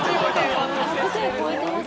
１００点超えてます。